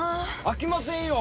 あきませんよ！